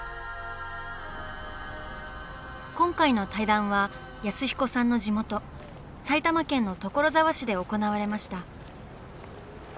今回の対談は安彦さんの地元埼玉県の所沢市で行われました。